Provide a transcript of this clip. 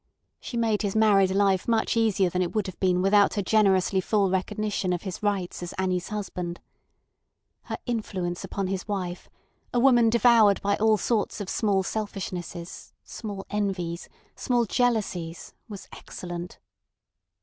She made his married life much easier than it would have been without her generously full recognition of his rights as Annie's husband. Her influence upon his wife, a woman devoured by all sorts of small selfishnesses, small envies, small jealousies, was excellent.